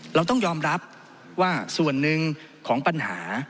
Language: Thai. เราต้องยอมรับว่าส่วนหนึ่งของปัญหา